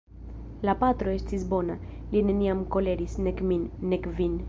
La patro estis bona, li neniam koleris, nek min, nek vin.